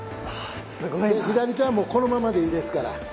で左手はもうこのままでいいですから。